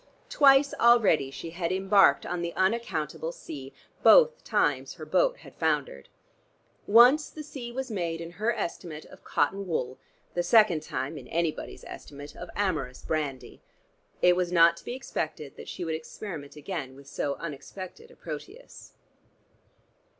Twice already she had embarked on the unaccountable sea; both times her boat had foundered. Once the sea was made, in her estimate, of cotton wool; the second time, in anybody's estimate, of amorous brandy. It was not to be expected that she would experiment again with so unexpected a Proteus.